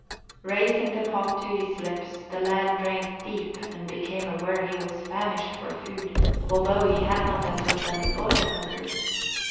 Raising the pot to his lips the lad drank deep and became aware he was famished for food, although he had not until then thought of hunger.